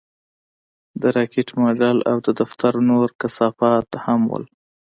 د راکټ ماډل او د دفتر نور کثافات هم وو